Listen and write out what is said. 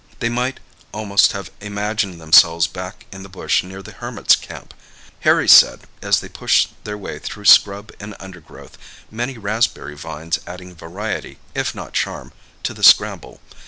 They might almost have imagined themselves back in the bush near the Hermit's camp, Harry said, as they pushed their way through scrub and undergrowth, many raspberry vines adding variety, if not charm, to the scramble.